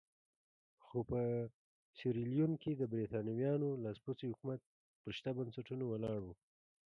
خو په سیریلیون کې د برېټانویانو لاسپوڅی حکومت پر شته بنسټونو ولاړ وو.